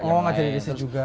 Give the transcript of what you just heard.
oh mengajar di sd juga